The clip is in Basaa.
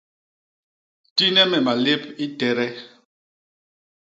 Tine me malép i tede.